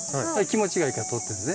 気持ちがいいから通ってるのね。